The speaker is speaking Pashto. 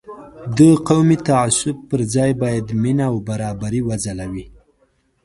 د قومي تعصب پر ځای باید مینه او برابري وځلوي.